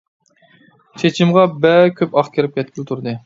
چېچىمغا بەك كۆپ ئاق كېرىپ كەتكىلى تۇردى.